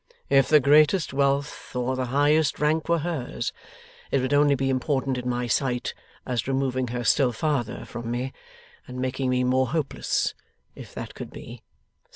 If the greatest wealth or the highest rank were hers, it would only be important in my sight as removing her still farther from me, and making me more hopeless, if that could be.